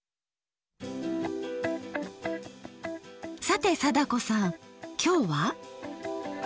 さて貞子さんきょうは？